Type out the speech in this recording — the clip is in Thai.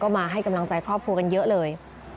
มาให้กำลังใจครอบครัวกันเยอะเลย